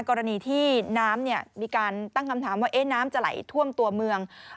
กรณีที่น้ำมีการตั้งคำถามว่าน้ำจะไหลท่วมตัวเมือง